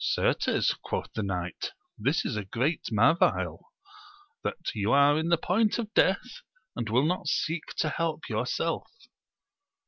Certes, quoth the knight, this is a great marvail, that you are in the point of death, and will not seek to help yourself.